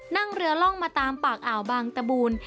นั่งเรือล่องมาตามปากอ่าวบางตะบูน